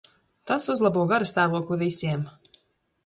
Tas uzlabo garastāvokli visiem.